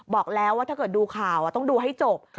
บอกแล้วว่าถ้าเกิดดูข่าวต้องดูให้จบ